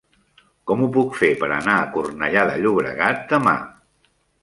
Com ho puc fer per anar a Cornellà de Llobregat demà?